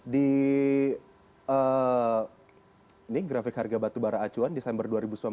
di ini grafik harga batu bara acuan desember dua ribu sembilan belas